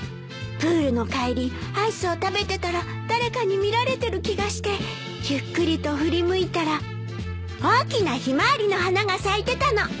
プールの帰りアイスを食べてたら誰かに見られてる気がしてゆっくりと振り向いたら大きなヒマワリの花が咲いてたの。